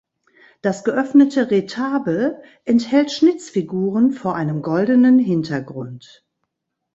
Das geöffnete Retabel enthält Schnitzfiguren vor einem goldenen Hintergrund.